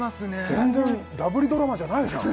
全然ダブりドラマじゃないじゃん